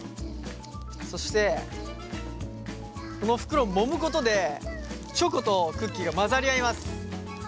そしてこの袋をもむことでチョコとクッキーが混ざり合います。